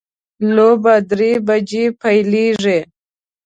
لوبه درې بجې پیلیږي